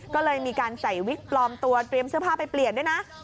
ก็เลยมีการใส่วิกปลอมตัวเตรียมเสื้อผ้าไปเปลี่ยนด้วยนะ